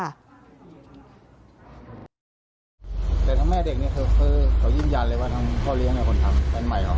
แต่ทั้งแม่เด็กนี่เขายินยันเลยว่าทางพ่อเลี้ยง